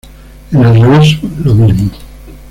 En el reverso: Lo mismo.